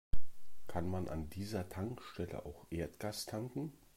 Kann man an dieser Tankstelle auch Erdgas tanken?